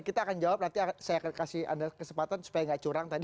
kita akan jawab nanti saya akan kasih anda kesempatan supaya gak curang tadi